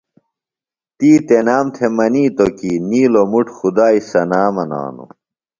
تی تنام تھےۡ منِیتوۡ کی نِیلوۡ مُٹ خدائی ثنا منانوۡ۔